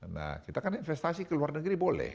nah kita kan investasi ke luar negeri boleh